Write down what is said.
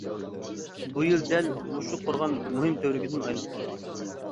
بۇ يىل دەل مۇشۇ قورغان مۇھىم تۈۋرۈكىدىن ئايرىلىپ قالدى.